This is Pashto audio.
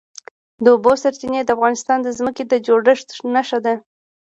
د اوبو سرچینې د افغانستان د ځمکې د جوړښت نښه ده.